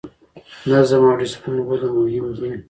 نظم او ډیسپلین ولې مهم دي؟